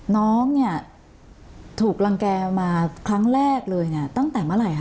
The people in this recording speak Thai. น้องเนี่ยถูกรังแก่มาครั้งแรกเลยเนี่ยตั้งแต่เมื่อไหร่คะ